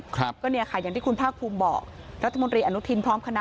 ครับก็เนี่ยค่ะอย่างที่คุณภาคภูมิบอกรัฐมนตรีอนุทินพร้อมคณะ